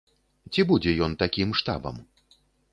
Ці будзе ён такім штабам?